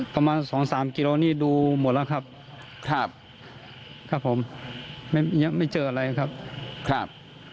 ประมาณสองสามกิโลนี่ดูหมดแล้วครับครับผมไม่ยังไม่เจออะไรครับครับ